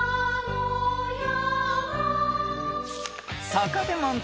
［そこで問題］